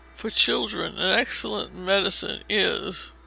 For children, an excellent medicine is i.